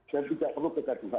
dan tidak perlu kegaduhan